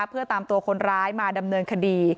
เพื่อตามตัวคนร้ายมาดำเนินคดี